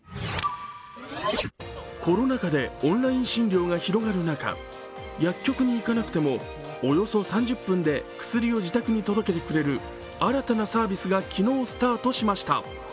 コロナ禍でオンライン診療が広がる中、薬局に行かなくてもおよそ３０分で薬を自宅に届けてくれる新たなサービスが昨日スタートしました。